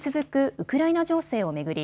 ウクライナ情勢を巡り